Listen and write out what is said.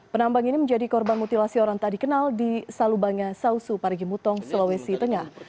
penambang ini menjadi korban mutilasi orang tak dikenal di salubanga sausu parigi mutong sulawesi tengah